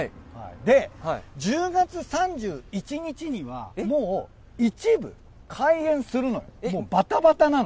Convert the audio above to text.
で、１０月３１日には、もう一部開園するのよ、もう、ばたばたなの。